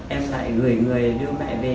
em lại gửi người đưa mẹ về